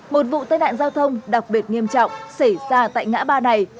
một vụ tai nạn giao thông đặc biệt nghiêm trọng xảy ra tại ngã ba này